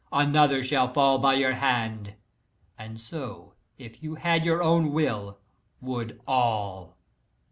Another shall fall by your hand; and so, if you had your own will, would all!"